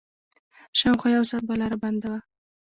شاوخوا يو ساعت به لاره بنده وه.